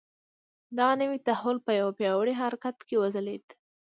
دغه نوی تحول په یوه پیاوړي حرکت کې وځلېد.